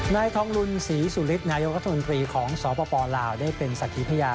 นายทองลุนศรีสุฤทธนายกรัฐมนตรีของสปลาวได้เป็นสักขีพญา